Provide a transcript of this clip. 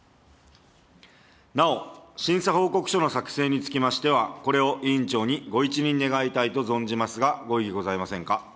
なお、審査報告書の作成につきましては、これを委員長にご一任願いたいと存じますが、ご異議ございませんか。